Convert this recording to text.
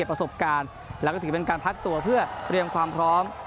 ประสบการณ์แล้วก็ถือเป็นการพักตัวเพื่อเตรียมความพร้อม